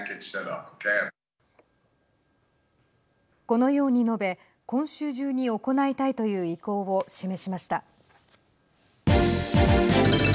このように述べ今週中に行いたいという意向を示しました。